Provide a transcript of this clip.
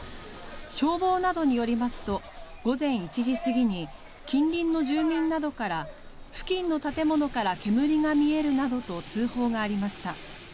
消防などによりますと午前１時過ぎに近隣の住民などから付近の建物から煙が見えるなどと通報がありました。